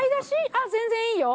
あっ全然いいよ。